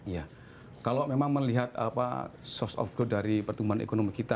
ya kalau memang melihat source of go dari pertumbuhan ekonomi kita